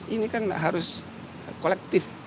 ini kan harus kolektif